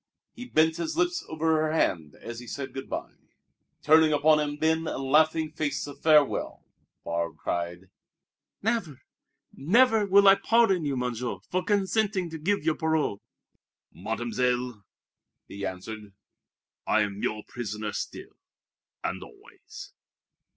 He bent his lips over her hand as he said good by. Turning upon him then a laughing face of farewell, Barbe cried: "Never, never will I pardon you, Monsieur, for consenting to give your parole!" "Mademoiselle," he answered, "I am your prisoner still, and always."